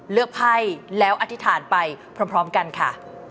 เลือกไพ่แล้วอธิษฐานไปพร้อมพร้อมกันค่ะ